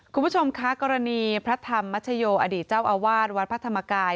คุณผู้ชมคะกรณีพระธรรมมัชโยอดีตเจ้าอาวาสวัดพระธรรมกาย